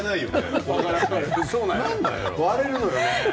割れるのよね。